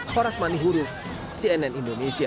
horas manihuru cnn indonesia